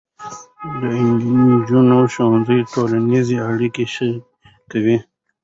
د نجونو ښوونځي ټولنیزې اړیکې ښې کوي.